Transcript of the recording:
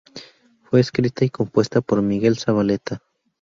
Fue escrita y compuesta por Miguel Zavaleta.